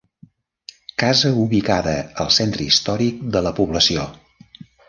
Casa ubicada al centre històric de la població.